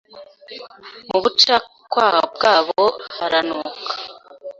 mu bucakwaha bwabo haranuka